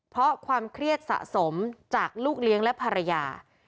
เพราะความเครียดสะสมจากลูกเลี้ยงและภรรยา